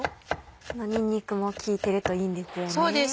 にんにくも効いてるといいんですよね。